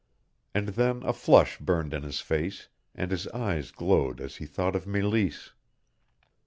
And then a flush burned in his face and his eyes glowed as he thought of Meleese.